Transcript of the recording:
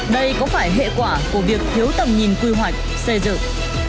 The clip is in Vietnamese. đây có phải hệ quả của việc thiếu tầm nhìn quy hoạch xây dựng